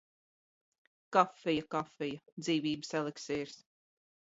Kafija, kafija! Dzīvības eliksīrs!